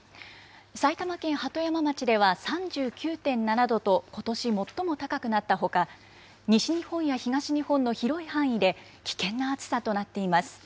埼玉県鳩山町では３９．７度と、ことし最も高くなったほか、西日本や東日本の広い範囲で、危険な暑さとなっています。